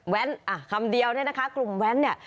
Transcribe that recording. อ่ะคำเดียวเนี่ยนะคะกลุ่มแว้นเนี่ย